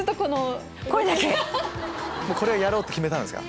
これはやろう！って決めたんですか？